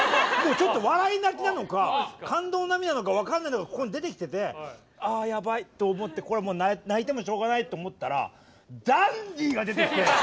ちょっと笑い泣きなのか感動の涙なのか分かんないのがここに出てきててあやばいと思ってこれもう泣いてもしょうがないと思ったらダンディが出てきて！